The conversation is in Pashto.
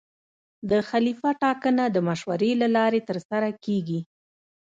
د خلیفه ټاکنه د مشورې له لارې ترسره کېږي.